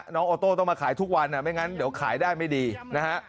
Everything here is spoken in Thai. น้องโอโต้ต้องมาขายทุกวันไม่งั้นเดี๋ยวขายได้ไม่ดีนะฮะ